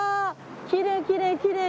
きれいきれいきれい！